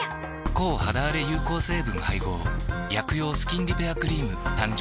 抗肌あれ有効成分配合薬用スキンリペアクリーム誕生